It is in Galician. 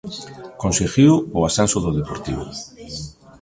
Conseguiu o ascenso do Deportivo.